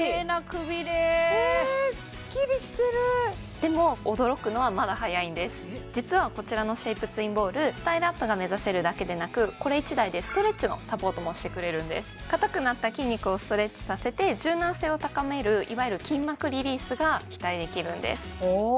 でも驚くのはまだ早いんです実はこちらのシェイプツインボールスタイルアップが目指せるだけでなくこれ１台でストレッチのサポートもしてくれるんです硬くなった筋肉をストレッチさせて柔軟性を高めるいわゆる筋膜リリースが期待できるんです